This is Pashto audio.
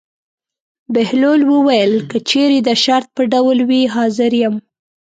بهلول وویل: که چېرې د شرط په ډول وي حاضر یم.